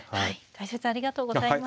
解説ありがとうございました。